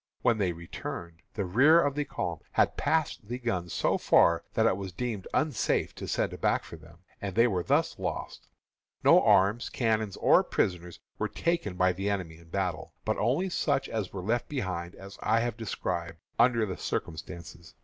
When they returned, the rear of the column had passed the guns so far that it was deemed unsafe to send back for them, and they were thus lost. No arms, cannon, or prisoners were taken by the enemy in battle, but only such as were left behind, as I have described, under the circumstances.